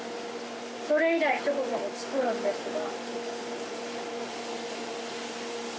それ以来ちょこちょこ作るんですが。